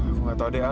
aku nggak tahu de al